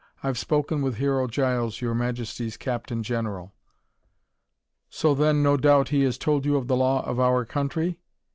I've spoken with Hero Giles, Your Majesty's Captain General." "So, then, no doubt, he has told you of the law of our country?"